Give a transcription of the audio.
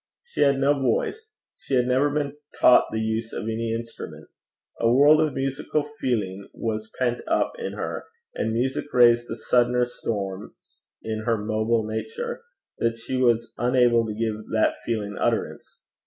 She had no voice; she had never been taught the use of any instrument. A world of musical feeling was pent up in her, and music raised the suddener storms in her mobile nature, that she was unable to give that feeling utterance.